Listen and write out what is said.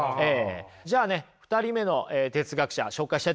じゃあね２人目の哲学者紹介したいと思います。